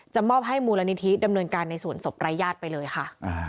มอบให้มูลนิธิดำเนินการในส่วนศพรายญาติไปเลยค่ะ